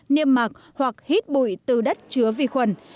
niêm mạc hoặc hít bụi từ đất chứa vi khuẩn